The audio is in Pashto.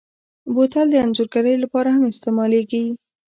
بوتل د انځورګرۍ لپاره هم استعمالېږي.